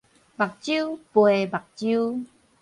目睭賠目睭